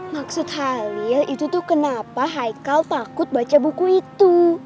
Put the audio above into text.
maksud halil itu tuh kenapa haikal takut baca buku itu